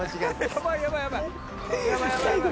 「やばいやばいやばい」